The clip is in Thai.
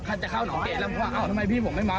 ถ้าจะเข้าหนองเกะแล้วผมว่าเอ้าทำไมพี่ผมไม่มา